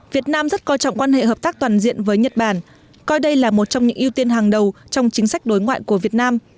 việt nam rất coi trọng quan hệ hợp tác toàn diện với nhật bản coi đây là một trong những ưu tiên hàng đầu trong chính sách đối ngoại của việt nam